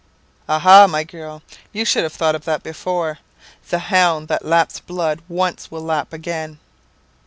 "'Aha, my girl! you should have thought of that before. The hound that laps blood once will lap again.